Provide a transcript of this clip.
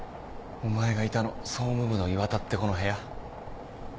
お前がいたの総務部の岩田って子の部屋？